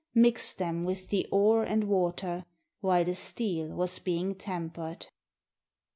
Mixed them with the ore and water. While the steel was being tempered.